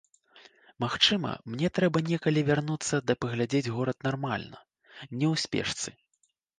Магчыма, мне трэба некалі вярнуцца ды паглядзець горад нармальна, не ў спешцы.